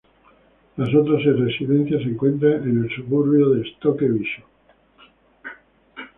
Las otras seis residencias se encuentran en el suburbio de Stoke Bishop.